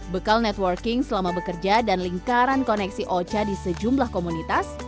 bekal networking selama bekerja dan lingkaran koneksi ocha di sejumlah komunitas